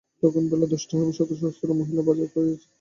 তখন বেলা দশটা হইবে, শত সহস্র মহিলা বাজার করিতেছেন।